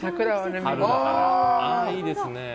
いいですね。